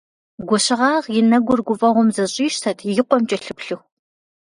Гуащэгъагъ и нэгур гуфӀэгъуэм зэщӀищтэт и къуэм кӀэлъыплъыху.